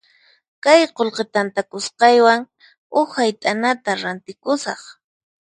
Kay qullqi tantakusqaywan huk hayt'anata rantikusaq.